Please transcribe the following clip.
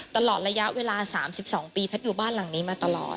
ตลอดระยะเวลา๓๒ปีแพทย์อยู่บ้านหลังนี้มาตลอด